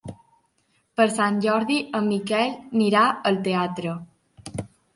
Per Sant Jordi en Miquel irà al teatre.